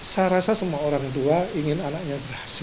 saya rasa semua orang tua ingin anaknya berhasil